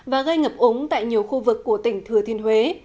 và gây ngập ống tại nhiều khu vực của tỉnh thừa thiên huế